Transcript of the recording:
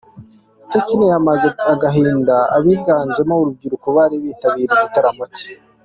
Tekno yamaze agahinda abiganjemo urubyiruko bari bitabiriye igitaramo cye.